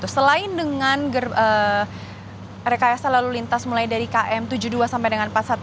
selain dengan rekayasa lalu lintas mulai dari km tujuh puluh dua sampai dengan empat ratus dua belas